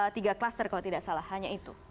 tiga kluster kalau tidak salah hanya itu